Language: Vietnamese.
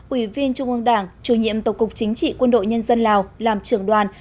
ủy viên trung ương đảng chủ nhiệm tổng cục chính trị quân đội nhân dân lào làm trưởng đoàn